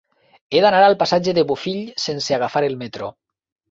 He d'anar al passatge de Bofill sense agafar el metro.